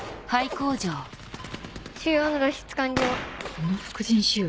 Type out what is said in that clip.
この副腎腫瘍